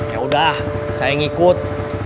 yaudah saya ngikut